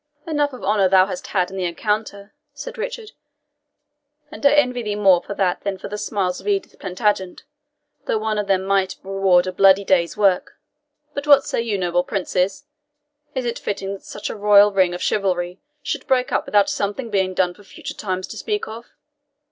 "Enough of honour thou hast had in the encounter," said Richard, "and I envy thee more for that than for the smiles of Edith Plantagenet, though one of them might reward a bloody day's work. But what say you, noble princes? Is it fitting that such a royal ring of chivalry should break up without something being done for future times to speak of?